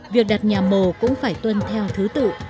việc đặt nhà mồ cũng phải tuân theo thứ tự